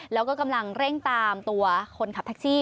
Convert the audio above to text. แล้วก็กำลังเร่งตามตัวคนขับแท็กซี่